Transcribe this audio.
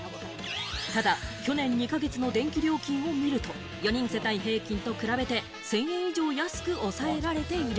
ただ去年２か月の電気料金を見ると、４人世帯平均と比べて１０００円以上安く抑えられている。